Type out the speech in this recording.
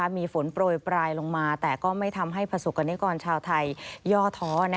มีฝนโปรยปลายลงมาแต่ก็ไม่ทำให้ประสบกรณิกรชาวไทยย่อท้อ